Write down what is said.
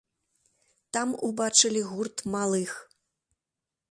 Там убачылі гурт малых.